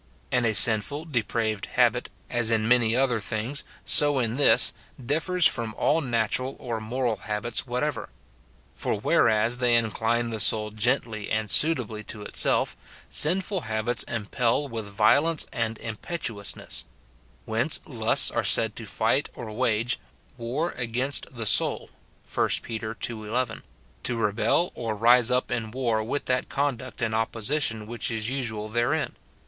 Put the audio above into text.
* And a sinful, depraved habit, as in many other things, so in this, differs from all natural or moral habits whatever : for whereas they incline the soul gently and suitably to itself, sinful habits impel with violence and impetuous ness ; whence lusts are said to fight or wage " war against the soul,"f 1 Pet. ii. 11, — to rebel or rise up in war with that conduct and opposition which is usual therein